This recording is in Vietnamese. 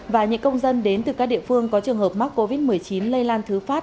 và những công dân đến từ các địa phương có trường hợp mắc covid một mươi chín lây lan thứ phát